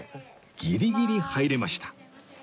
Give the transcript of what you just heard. ギリギリ入れました